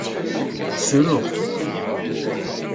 Ssruɣ-t.